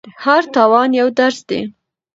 هر تاوان یو درس دی.